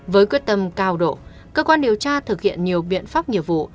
với quyết tâm cao độ cơ quan điều tra thực hiện nhiều biện pháp nghiệp vụ